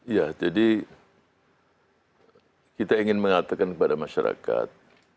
ya jadi kita ingin mengatakan kepada masyarakat